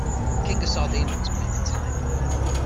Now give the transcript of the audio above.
The King of Sardinia was playing for time.